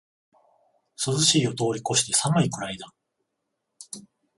涼しいを通りこして寒いくらいだ